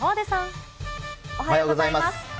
おはようございます。